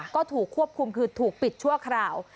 ก็ถูกควบคุมคือถูกปิดชั่วคราว